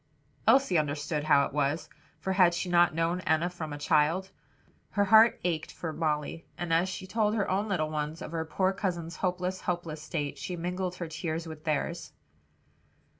Elsie understood how it was; for had she not known Enna from a child? Her heart ached for Molly, and as she told her own little ones of their poor cousin's hopeless, helpless state, she mingled her tears with theirs.